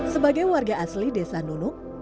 sebagai warga asli desa nunuk